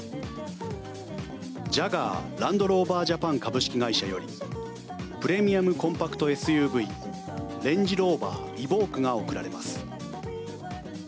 ジャガー・ランドローバー・ジャパン株式会社よりプレミアムコンパクトＳＵＶＲＡＮＧＥＲＯＶＥＲＥＶＯＱＵＥが贈られます。